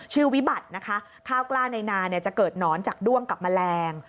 วิบัตินะคะข้าวกล้าในนาจะเกิดหนอนจากด้วงกับแมลง